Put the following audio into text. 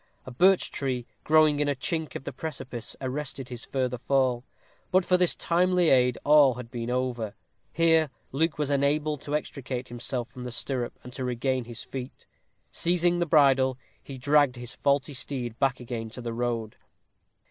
A birch tree, growing in a chink of the precipice, arrested his further fall. But for this timely aid all had been over. Here Luke was enabled to extricate himself from the stirrup and to regain his feet; seizing the bridle, he dragged his faulty steed back again to the road.